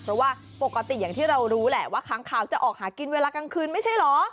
เพราะว่าปกติอย่างที่เรารู้แหละว่าค้างข่าวจะออกหากินเวลากลางคืนไม่ใช่เหรอ